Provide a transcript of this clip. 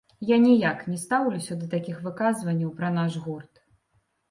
Я ніяк не стаўлюся да такіх выказванняў пра наш гурт.